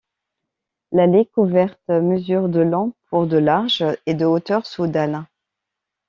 L'allée couverte mesure de long pour de large et de hauteur sous dalle.